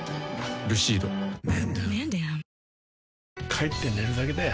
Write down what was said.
帰って寝るだけだよ